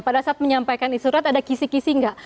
pada saat menyampaikan surat ada kisi kisi nggak